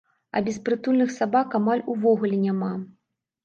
А беспрытульных сабак амаль увогуле няма.